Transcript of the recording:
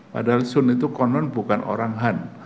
padahal sun itu konon bukan orang han